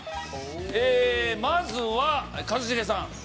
えまずは一茂さん。